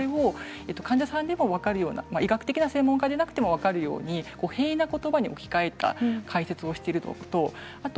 患者さんでも分かるように医学的な専門家じゃなくても分かるように平易な言葉に置き換えて解説しています。